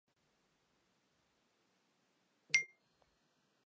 Estudió leyes, primero en Bologna y luego en Pisa, ejerciendo su profesión en Nápoles.